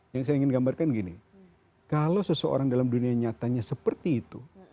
yang saya ingin gambarkan gini kalau seseorang dalam dunia nyatanya seperti itu